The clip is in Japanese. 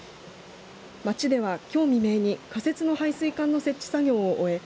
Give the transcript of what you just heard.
町では、きょう未明に仮設の配水管の設置作業を終え